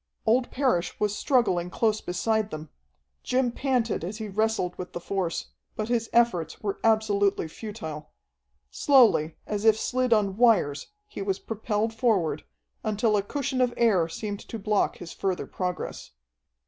Old Parrish was struggling close beside them. Jim panted as he wrestled with the force, but his efforts were absolutely futile. Slowly, as if slid on wires, he was propelled forward, until a cushion of air seemed to block his further progress.